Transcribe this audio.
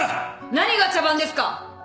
何が茶番ですか！